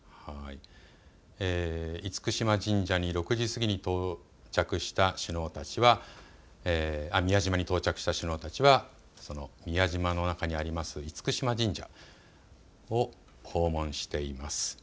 厳島神社に６時過ぎに到着した首脳たちは宮島に到着した首脳たちは宮島の中にあります厳島神社を訪問しています。